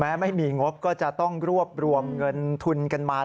ไม่มีงบก็จะต้องรวบรวมเงินทุนกันมา